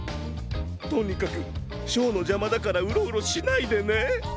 とにかくショーのじゃまだからウロウロしないでね！